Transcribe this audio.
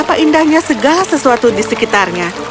apa indahnya segala sesuatu di sekitarnya